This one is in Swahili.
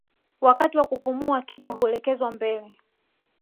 Wakati wa kupumua kichwa huelekezwa mbele